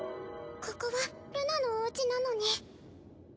ここはルナのおうちなのに。